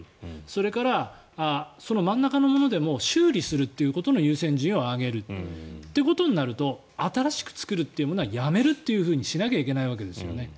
それからその真ん中のものでも修理するっていうことの優先順位を上げる。ということになると新しく作るというものはやめるっていうふうにしなければいけないわけですよ。